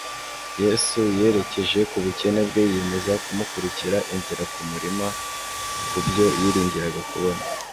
Yesu yerekeje ku bukene bwe, yiyemeza kumukurira inzira ku murima kubyo yiringiraga kubona.